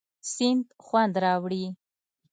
سیند خوند راوړي.